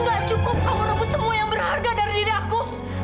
gak cukup kamu rambut temu yang berharga dari diri aku